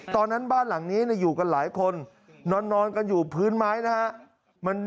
ตอนนั้นบ้านหลังนี้อยู่กันหลายคนนอนกันอยู่พื้นไม้นะฮะ